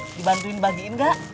mau dibantuin bagiin gak